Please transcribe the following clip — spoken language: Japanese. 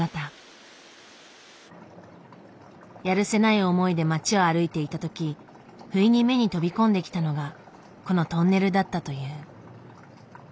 やるせない思いで街を歩いていたとき不意に目に飛び込んできたのがこのトンネルだったという。